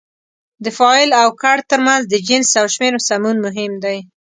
د فاعل او کړ ترمنځ د جنس او شمېر سمون مهم دی.